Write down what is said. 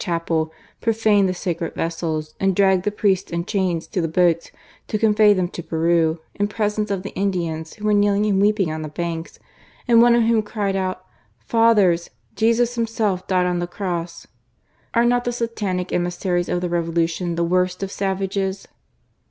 chapeC pro&ned the ' Kcred vess^ti a^ dragged the priests in chains to the boats, ten convey them to Peru, in preg^ice of the Indians,; who were kneeling and weeping on the banks, and one of whom cried out: "Fathers! Jesus Himself died on the Cross !" Are not the satanic emissaries of the Revolution the worst of savages